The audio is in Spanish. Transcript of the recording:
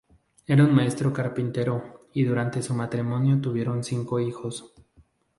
Era un maestro carpintero, y durante su matrimonio tuvieron cinco hijos.